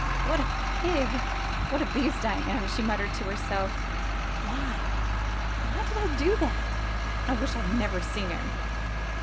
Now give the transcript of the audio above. ''What a pig! What a beast I am!'' she muttered to herself. ''Why — ^why did I do that? I wish I'd never seen him!"